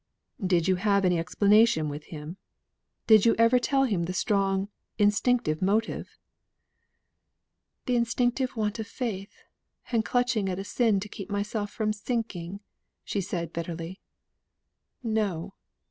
"Did you have any explanation with him? Did you ever tell him the strong, instinctive motive?" "The instinctive want of faith, and clutching at a sin to keep myself from sinking," said she bitterly. "No!